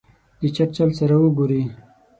د چرچل سره وګوري.